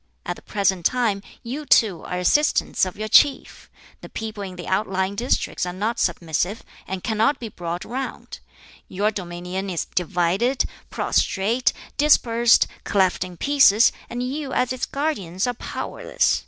At the present time you two are Assistants of your Chief; the people in the outlying districts are not submissive, and cannot be brought round. Your dominion is divided, prostrate, dispersed, cleft in pieces, and you as its guardians are powerless.